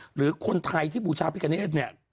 หรือคนไทยที่บูชาวพิธีกรรเทศเนี่ย